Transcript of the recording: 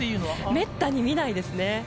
めったに見ないですね。